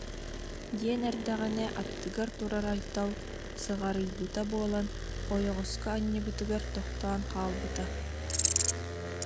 диэн эрдэҕинэ аттыгар турар Айтал сыҕарыйбыта буолан, ойоҕоско анньыбытыгар тохтоон хаалбыта